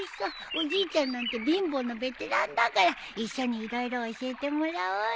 おじいちゃんなんて貧乏のベテランだから一緒に色々教えてもらおうよ。